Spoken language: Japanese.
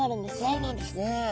そうなんですね。